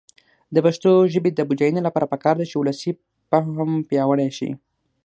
د پښتو ژبې د بډاینې لپاره پکار ده چې ولسي فهم پیاوړی شي.